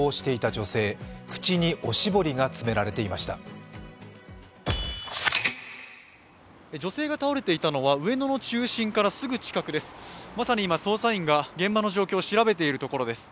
女性が倒れていたのは上野の中心地からすぐ近くです。